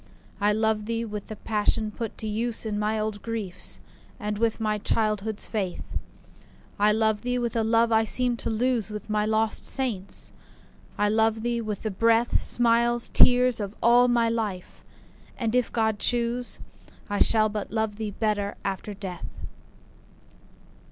I love thee with the passion put to use In my old griefs, and with my childhood's faith. I love thee with a love I seemed to lose With my lost saints,—I love thee with the breath, Smiles, tears, of all my life!—and, if God choose, I shall but love thee better after death.